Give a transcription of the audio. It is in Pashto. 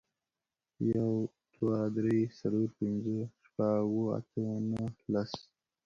یو, دوه, درې, څلور, پنځه, شپږ, اووه, اته, نه, لس